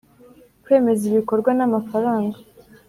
Kwemeza ibikorwa n’amafaranga